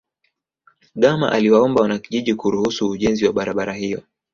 gama aliwaomba wanakijiji kuruhusu ujenzi wa barabara hiyo